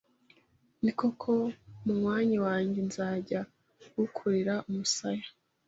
Ni koko munywanyi wanjye, nzajya ngukurira umusaya.